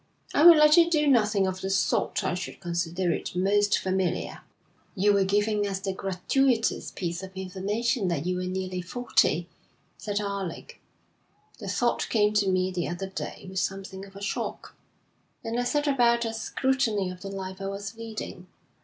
'I will let you do nothing of the sort I should consider it most familiar.' 'You were giving us the gratuitous piece of information that you were nearly forty,' said Alec. 'The thought came to me the other day with something of a shock, and I set about a scrutiny of the life I was leading.